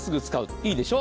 いいでしょ。